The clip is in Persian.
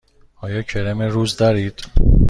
آیا کرم روز دارید؟